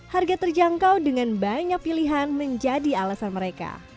harga terjangkau dengan banyak pilihan menjadi alasan mereka